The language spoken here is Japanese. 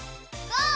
ゴー！